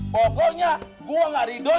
pokoknya gua ga ridhoi